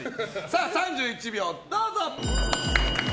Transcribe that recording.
３１秒、どうぞ。